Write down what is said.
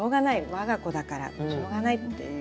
我が子だからしょうがないっていう。